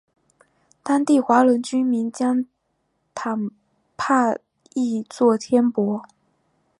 当地华人居民将坦帕译作天柏。